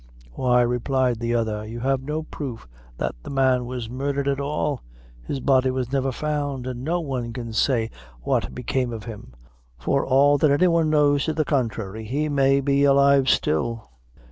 "Why," replied the other, "you have no proof that the man was murdered at all. His body was never found; and no one can say what became of him. For all that any one knows to the contrary, he may be alive still."